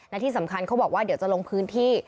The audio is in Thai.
และที่สำคัญเขาบอกว่าเดี๋ยวจะลงพื้นที่